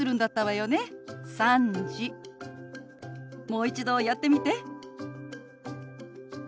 もう一度やってみて。